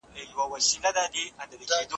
موږ له ماڼۍ څخه ډګر ته وړاندي نه یو تللي.